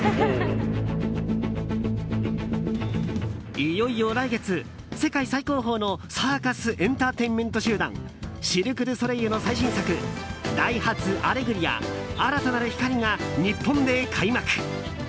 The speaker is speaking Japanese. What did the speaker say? いよいよ来月、世界最高峰のサーカスエンターテインメント集団シルク・ドゥ・ソレイユの最新作「ダイハツアレグリア‐新たなる光‐」が日本で開幕。